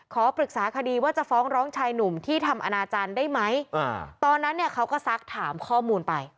ขอปรึกษาคดีว่าจะฟ้องร้องชายหนุ่มที่ทำอนาจารย์ได้ไหมตอนนั้นเนี่ยเขาก็ซักถามข้อมูลไป